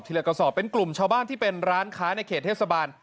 ละกระสอบเป็นกลุ่มชาวบ้านที่เป็นร้านค้าในเขตเทศบาล